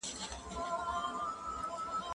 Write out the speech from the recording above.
زه مخکي د کتابتون پاکوالی کړی وو!.